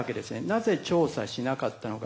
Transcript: なぜ調査しなかったのか。